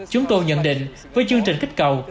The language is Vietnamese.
chúng tôi nhận định với chương trình kích cầu